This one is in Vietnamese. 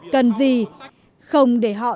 cần gì không để họ